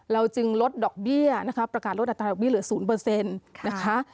จึงลดดอกเบี้ยนะคะประกาศลดอัตราดอกเบี้ยเหลือ๐นะคะ